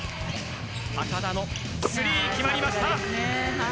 高田のスリー、決まりました。